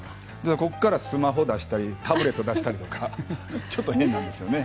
ここからスマホ出したりタブレット出したりとかちょっと変なんです。